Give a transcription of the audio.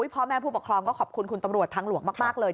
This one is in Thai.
พ่อแม่ผู้ปกครองก็ขอบคุณคุณตำรวจทางหลวงมากเลย